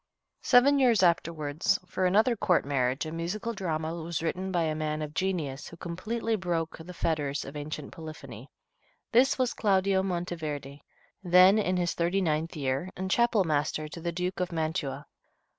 Seven years afterward, for another court marriage, a musical drama was written by a man of genius who completely broke the fetters of ancient polyphony. This was Claudio Monteverde, then in his thirty ninth year, and chapel master to the Duke of Mantua.